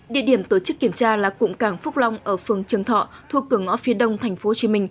địa điểm tổ chức kiểm tra là cụm cảng phúc long ở phường trường thọ thuộc cửa ngõ phía đông tp hcm